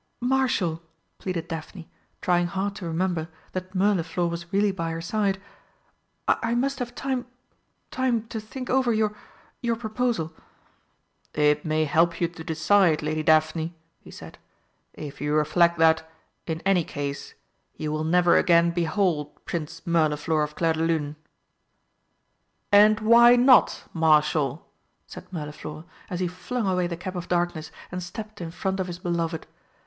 "Marshal," pleaded Daphne, trying hard to remember that Mirliflor was really by her side, "I must have time time to think over your your proposal." "It may help you to decide, Lady Daphne," he said, "if you reflect that, in any case, you will never again behold Prince Mirliflor of Clairdelune." "And why not, Marshal?" said Mirliflor, as he flung away the cap of darkness and stepped in front of his beloved.